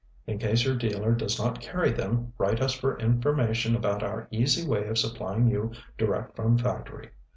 In case your dealer does not carry them, write us for information about our "easy way of supplying you direct from factory."